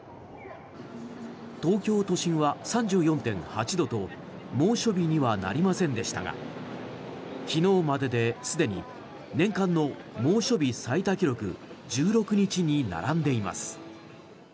東京都心は３４．８度と猛暑日にはなりませんでしたが昨日までで、すでに年間の猛暑日最多記録１６日に並んでいます。